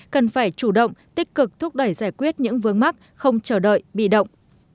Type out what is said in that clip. cần phải chủ động tích cực thúc đẩy giải quyết những vướng mắc không chờ đợi bị động